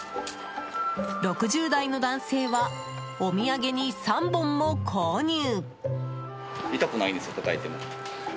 ６０代の男性はお土産に３本も購入。